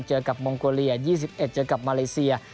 เจอกับมองโกเลีย๒๑เจอกับมาเลเซีย